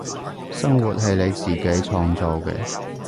生活係你自己創造嘅